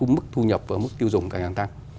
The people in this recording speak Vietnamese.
mức thu nhập và mức tiêu dùng ngày càng tăng